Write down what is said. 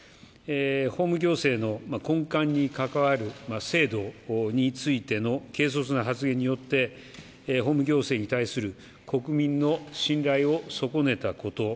法務行政の根幹に関わる制度についての軽率な発言によって法務行政に対する国民の信頼を損ねたこと。